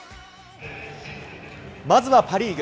まずはパ・リーグ。